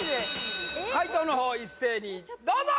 解答のほう一斉にどうぞ！